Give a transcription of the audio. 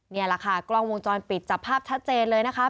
นี่แหละค่ะกล้องวงจรปิดจับภาพชัดเจนเลยนะคะ